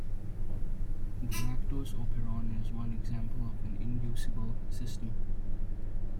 The lactose operon is one example of an inducible system.